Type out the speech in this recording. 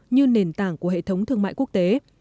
như nền tảng của hệ thống thương mại quốc tế